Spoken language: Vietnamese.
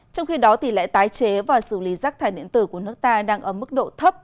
trong khi đó tỷ lệ tái chế và xử lý rác thải điện tử của nước ta đang ở mức độ thấp